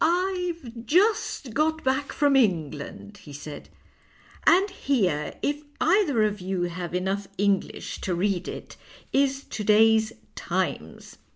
" I've just got back from England," he said, " and here, if either of you have enough English to read it, is to day's I'imes.'"